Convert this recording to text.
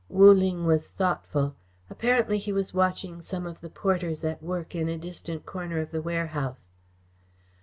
Wu Ling was thoughtful. Apparently he was watching some of the porters at work in a distant corner of the warehouse.